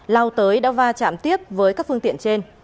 lao tới đã va chạm tiếp với các phương tiện trên